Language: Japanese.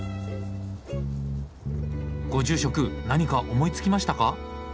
ご住職何か思いつきましたか？